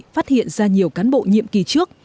phát hiện ra nhiều cán bộ nhiệm kỳ trước